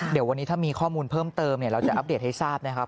เดี๋ยววันนี้ถ้ามีข้อมูลเพิ่มเติมเราจะอัปเดตให้ทราบนะครับ